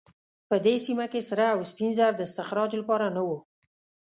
په دې سیمه کې سره او سپین زر د استخراج لپاره نه وو.